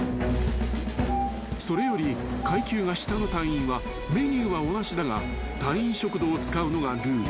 それより階級が下の隊員はメニューは同じだが隊員食堂を使うのがルール］